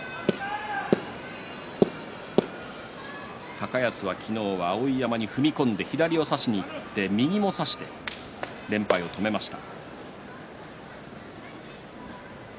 高安は昨日は碧山に踏み込んで左を差しにいって右も差して連敗を止めました。